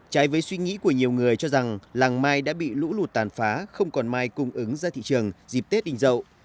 trái với suy nghĩ của nhiều người cho rằng làng mai đã bị lũ lụt tàn phá không còn mai cung ứng ra thị trường dịp tết đình dậu